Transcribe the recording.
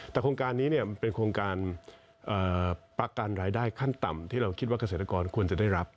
แต่โครงการนี้มันเป็นโครงการประกันรายได้ขั้นต่ำที่เราคิดว่าเกษตรกรควรจะได้รับ